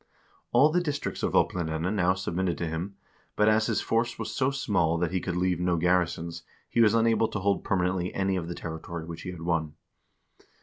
All the districts of Oplandene now sub mitted to him, but as his force was so small that he could leave no garrisons, he was unable to hold permanently any of the territory which he had won.